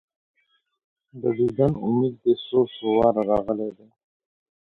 د دیدن امید دي څو، څو واره راغلی